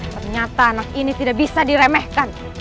ternyata anak ini tidak bisa diremehkan